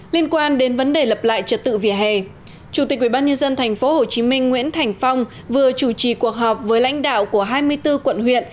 liên quan đến vấn đề lập lại trật tự vỉa hè chủ tịch ubnd tp hcm nguyễn thành phong vừa chủ trì cuộc họp với lãnh đạo của hai mươi bốn quận huyện